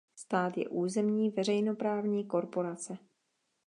Stát je územní veřejnoprávní korporace.